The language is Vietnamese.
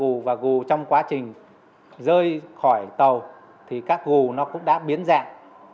các container gần gù và gù trong quá trình rơi khỏi tàu thì các gù nó cũng đã biến dạng